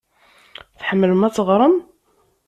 Tḥemmlem ad teɣrem?